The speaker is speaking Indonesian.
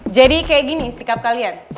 jadi kayak gini sikap kalian